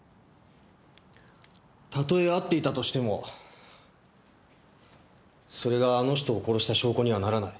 たとえ会っていたとしてもそれがあの人を殺した証拠にはならない。